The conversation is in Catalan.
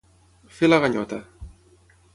Fer la ganyota.